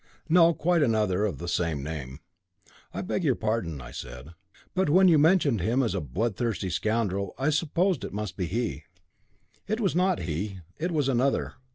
"No, quite another, of the same name." "I beg your pardon," I said. "But when you mentioned him as a blood thirsty scoundrel, I supposed it must be he." "It was not he. It was another.